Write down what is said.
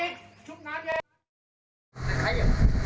น่างใจเลย